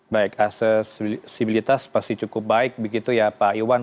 baik aksesibilitas pasti cukup baik begitu ya pak iwan